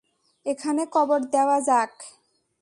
এখানে কবর দেওয়া যাক।